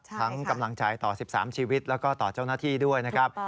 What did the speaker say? กำลังใจต่อ๑๓ชีวิตแล้วก็ต่อเจ้าหน้าที่ด้วยนะครับ